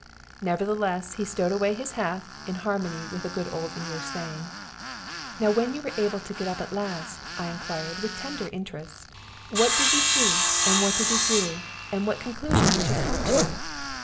Nevertheless, he stowed away his half, in harmony with a good old English saying. "Now, when you were able to get up at last," I inquired, with tender interest, "what did you see, and what did you do, and what conclusion did you come to?"